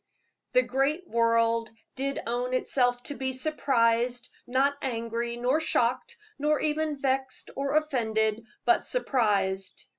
The great world did own itself to be surprised not angry, nor shocked, nor even vexed or offended, but surprised.